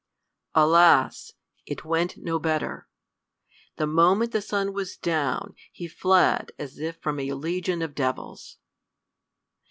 Alas! it went no better. The moment the sun was down, he fled as if from a legion of devils.